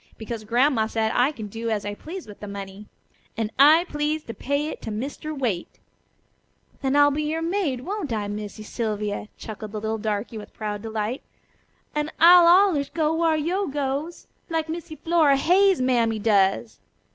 Because Grandma said I could do as I pleased with the money. And I please to pay it to Mr. Waite." "Then I'll be your maid, won't I, Missy Sylvia?" chuckled the little darky with proud delight, "an' I'll allers go whar yo' goes, like Missy Flora Hayes' mammy does."